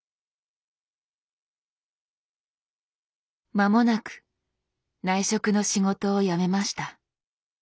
間もなく内職の仕事をやめました。